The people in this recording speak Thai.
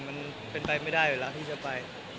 มันเป็นไปไม่ได้อยู่แล้วที่จะไป